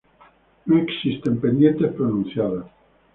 No existen pendientes pronunciadas.